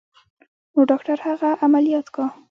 نو ډاکتر هغه عمليات کا.